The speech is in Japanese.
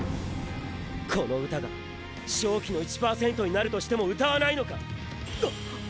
この歌が勝機の１％になるとしても歌わないのか！！ッ！